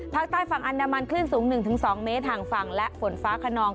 ภาคใต้ฝั่งอันนามันขึ้นสูงหนึ่งถึงสองเมตรห่างฝั่งและฝนฟ้าขนอง